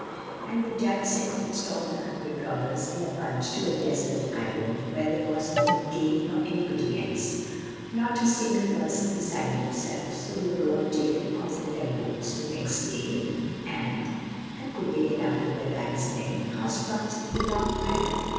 "And the judge sentenced all the hundred robbers, in a bunch, to a desert island, where there wasn't any cave, nor anybody else, not a single person besides themselves. So they were all taken off in boats the next day, and" "And could they get out of their bags then?" asked Phronsie, with a long breath.